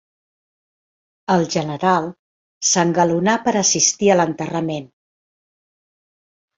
El general s'engalonà per assistir a l'enterrament.